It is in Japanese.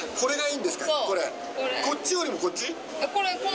こっちよりもこっち？